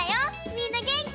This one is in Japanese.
みんなげんき？